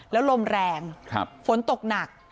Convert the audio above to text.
แล้วลมแรงฝนตกหนัก